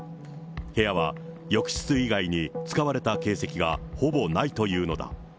部屋は浴室以外に使われた形跡がほぼないというのだ。